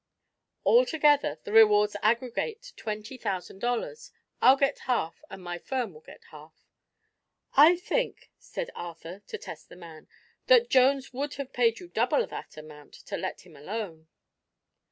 "All together, the rewards aggregate twenty thousand dollars. I'll get half, and my firm will get half." "I think," said Arthur, to test the man, "that Jones would have paid you double that amount to let him alone."